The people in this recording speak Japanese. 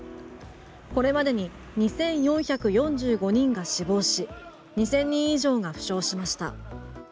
これまでに２４４５人が死亡し２０００人以上が負傷しました。